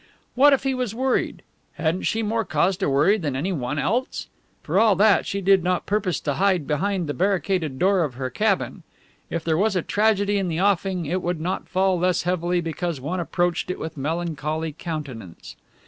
What if he was worried? Hadn't she more cause to worry than any one else? For all that, she did not purpose to hide behind the barricaded door of her cabin. If there was a tragedy in the offing it would not fall less heavily because one approached it with melancholy countenance.